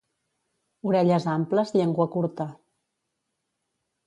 Orelles amples, llengua curta.